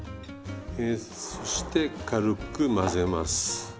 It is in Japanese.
そして軽く混ぜます。